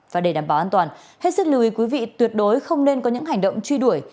và để đảm bảo an toàn hết sức lưu ý quý vị tuyệt đối không nên có những hành động truy đuổi